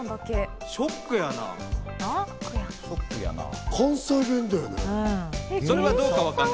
ショックやな。